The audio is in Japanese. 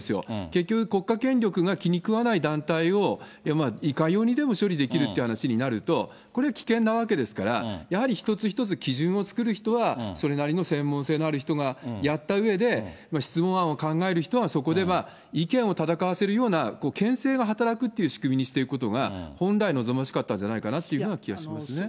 結局、国家権力が気に食わない団体を、いかようにでも処理できるって話になると、これ、危険なわけですから、やはり一つ一つ、基準を作る人は、それなりの専門性のある人がやったうえで、質問案を考える人は、そこでまあ、意見を戦わせるようなけんせいが働くという仕組みにしていくことが、本来望ましかったんじゃないかなというふうな気はしますね。